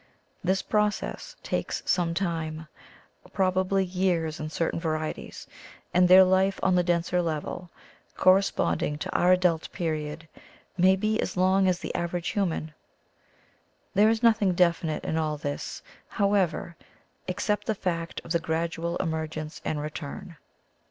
This process takes some time, probably years in certain varieties, and their life on the denser level, corresponding to our adult period, may be as long as the average human. There is nothing definite in all this, however, except the fact of the gradual emer gence and return.